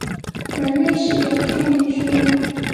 用設計思考重擬問題